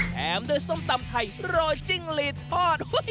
แถมด้วยส้มตำไทยโรยจิ้งหลีดทอด